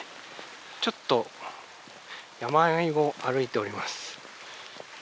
ちょっと山あいを歩いております。